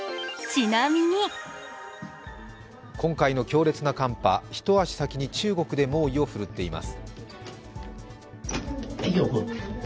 今回の強烈な寒波、一足先に中国で猛威を振るっています。